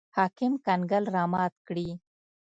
حاکم کنګل رامات کړي.